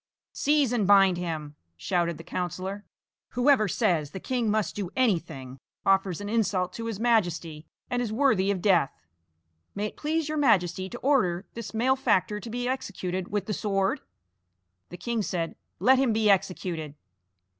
"Seize and bind him!" shouted the councillor. "Whoever says the king must do anything, offers an insult to his Majesty, and is worthy of death. May it please your Majesty to order this malefactor to be executed with the sword?" The king said: "Let him be executed."